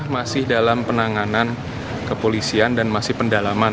masih dalam penanganan kepolisian dan masih pendalaman